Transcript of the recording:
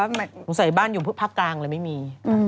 มันแต่ใส่บ้านอยู่ผ้ากลางเลยไม่มี